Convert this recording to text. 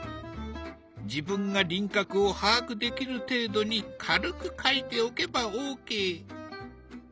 自分が輪郭を把握できる程度に軽く描いておけばオーケー。